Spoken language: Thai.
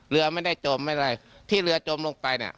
เรือไม่ได้จมไม่ได้ที่เรือจมลงไปเนี่ย